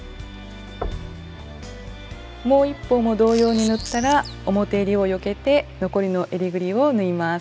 もう一方も同様に縫ったら表えりをよけて残りのえりぐりを縫います。